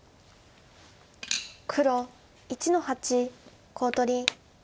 黒１の八コウ取り。